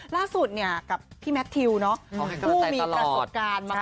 ล่าสุดเนี่ยกับพี่แมททิวผู้มีประสบการณ์มา